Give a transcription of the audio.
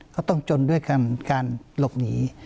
ก็ต้องจนด้วยการหลบหนี